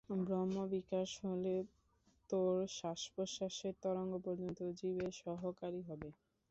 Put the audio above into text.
ব্রহ্মবিকাশ হলে তোর শ্বাসপ্রশ্বাসের তরঙ্গ পর্যন্ত জীবের সহায়কারী হবে।